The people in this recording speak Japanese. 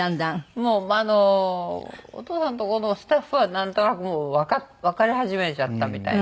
もうあのお父さんとこのスタッフはなんとなくわかり始めちゃったみたいな。